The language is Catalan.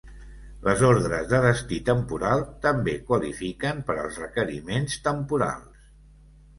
Les ordres de destí temporal també qualifiquen per als requeriments temporals.